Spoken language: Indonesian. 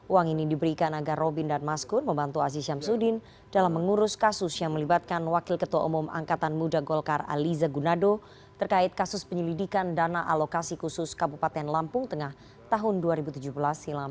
uang ini diberikan agar robin dan maskun membantu aziz syamsuddin dalam mengurus kasus yang melibatkan wakil ketua umum angkatan muda golkar aliza gunado terkait kasus penyelidikan dana alokasi khusus kabupaten lampung tengah tahun dua ribu tujuh belas silam